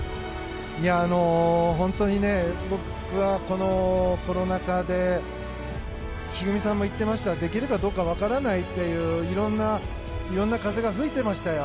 本当にね、僕はこのコロナ禍で一二三さんも言ってましたができるかどうか分からないといういろんな風が吹いてましたよ。